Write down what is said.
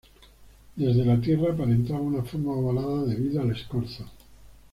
Desde la Tierra aparenta una forma ovalada debido al escorzo.